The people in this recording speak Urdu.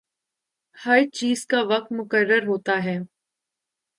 ہر چیز کا وقت مقرر ہوتا ہے۔